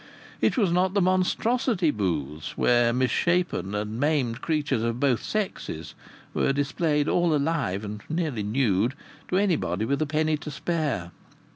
It was not the monstrosity booths, where misshapen and maimed creatures of both sexes were displayed all alive and nearly nude to anybody with a penny to spare.